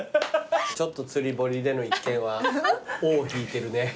ちょっと釣り堀での一件は尾を引いてるね。